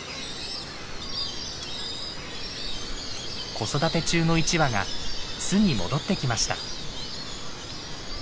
子育て中の一羽が巣に戻ってきました。